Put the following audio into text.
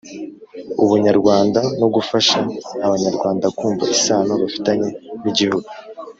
Ubunyarwanda no gufasha abanyarwanda kumva isano bafitanye n igihugu